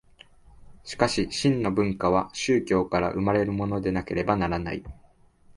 しかし真の文化は宗教から生まれるものでなければならない。